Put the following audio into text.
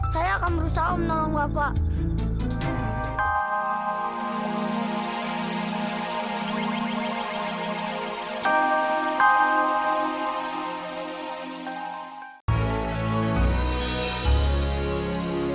saya akan berusaha menolong bapak